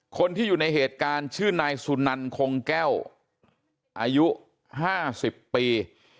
คนที่อยู่ในเหตุการณ์ชื่อนายสุนันคงแก้วอายุ๕๐ปี